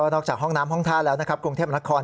นอกจากห้องน้ำห้องทาแล้วกรุงเทพมนาคอล